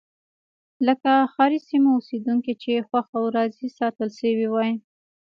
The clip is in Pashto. لکه ښاري سیمو اوسېدونکي چې خوښ او راضي ساتل شوي وای.